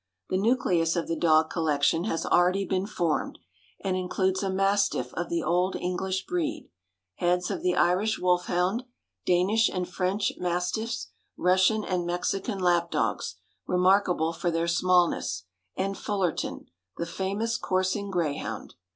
The nucleus of the dog collection has already been formed, and includes a mastiff of the old English breed, heads of the Irish wolf hound, Danish and French mastiffs, Russian and Mexican lap dogs, remarkable for their smallness, and Fullerton, the famous coursing greyhound.